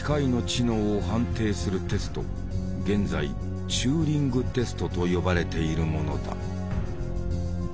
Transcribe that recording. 現在「チューリング・テスト」と呼ばれているものだ。